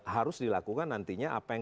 harus dilakukan nantinya apa yang